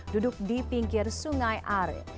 duduk di pinggir sungai are